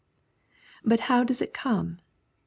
But how does it come ?